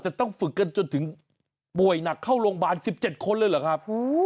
แต่ต้องฝึกกันจนถึงป่วยหนักเข้าโรงพยาบาล๑๗คนเลยเหรอครับ